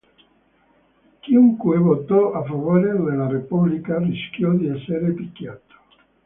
Chiunque votò a favore della repubblica rischiò di essere picchiato.